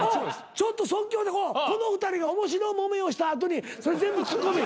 ちょっと即興でこの２人が面白もめをした後にそれ全部ツッコミ。